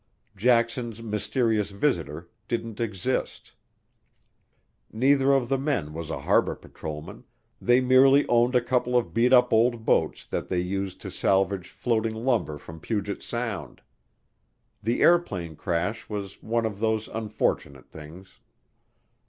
Jackson's mysterious visitor didn't exist. Neither of the men was a harbor patrolman, they merely owned a couple of beat up old boats that they used to salvage floating lumber from Puget Sound. The airplane crash was one of those unfortunate things.